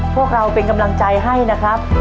พวกเราเป็นกำลังใจให้นะครับ